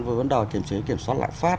với vấn đề kiểm chế kiểm soát lạm phát